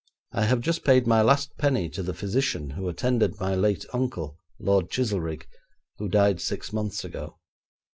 I have just paid my last penny to the physician who attended my late uncle, Lord Chizelrigg, who died six months ago.